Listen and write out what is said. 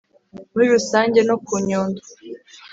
muri rusange no ku Nyundo